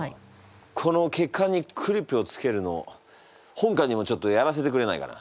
この血管にクリップをつけるの本官にもちょっとやらせてくれないかな。